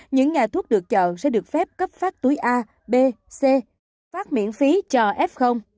những nhà thuốc được chọn sẽ được phép cấp phát túi a b c cấp phát miễn phí cho f